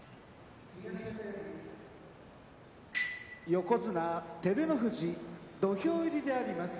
横綱照ノ富士土俵入りであります。